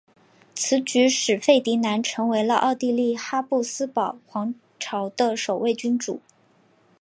此举使费迪南成为了奥地利哈布斯堡皇朝的首位君主。